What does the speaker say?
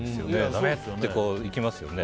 ダメ！っていきますよね。